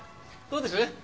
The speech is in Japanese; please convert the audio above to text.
どうです？